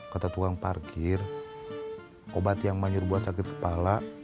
kata tukang parkir obat yang menyuruh buat sakit kepala